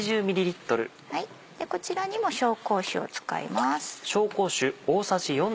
こちらにも紹興酒を使います。